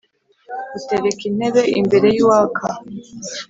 butereka intebe imbere y' uwaka !